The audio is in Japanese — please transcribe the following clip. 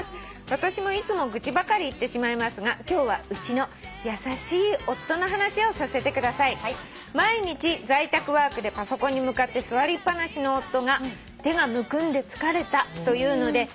「私もいつも愚痴ばかり言ってしまいますが今日はうちの優しい夫の話をさせてください」「毎日在宅ワークでパソコンに向かって座りっぱなしの夫が『手がむくんで疲れた』と言うのでもんであげることにしました」